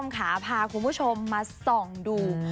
ขาพาคุณผู้ชมมาส่องดู